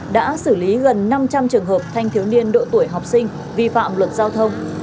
đã xử lý gần năm trăm linh trường hợp thanh thiếu niên độ tuổi học sinh vi phạm luật giao thông